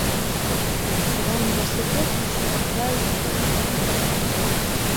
І ва ўніверсітэце сцвярджаюць, што гэтага мала!